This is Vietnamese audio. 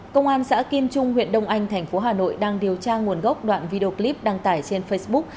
công an xã kim trung huyện đông anh thành phố hà nội đang điều tra nguồn gốc đoạn video clip đăng tải trên facebook